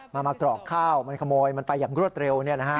มากรอกข้าวมันขโมยมันไปอย่างรวดเร็ว